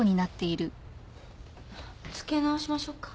つけ直しましょうか？